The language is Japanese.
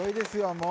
もう。